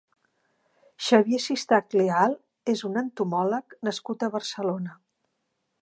Xavier Sistach Leal és un entomòleg nascut a Barcelona.